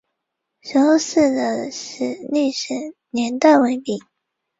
地名来自于古坟时代此地制作勾玉的玉作部。